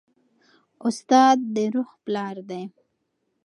استاد د روح پلار دی.